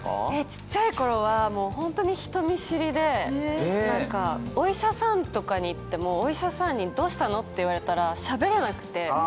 小っちゃい頃はもうホントに人見知りで何かお医者さんとかに行ってもお医者さんに「どうしたの？」って言われたらしゃべれなくて。